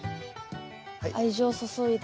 愛情注いで。